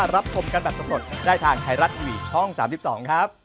แต่ถ้าหากว่า